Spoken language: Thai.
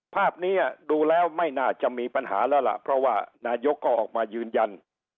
ภาพนี้ดูแล้วไม่น่าจะมีปัญหาแล้วล่ะเพราะว่านายกก็ออกมายืนยัน